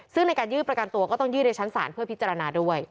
ซึ่งในการยื่นประกันตัวก็ต้องยื่นในชั้นศาลเพื่อพิจารณาด้วย